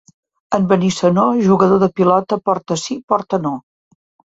En Benissanó, jugador de pilota porta sí, porta no.